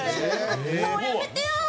「もうやめてやー！